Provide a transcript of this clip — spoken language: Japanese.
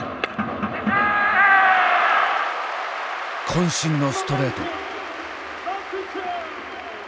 こん身のストレート。